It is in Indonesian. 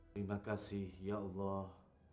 terima kasih ya allah